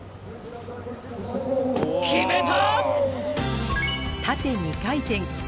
決めた！